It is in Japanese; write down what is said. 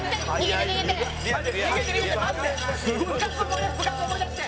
部活思い出して！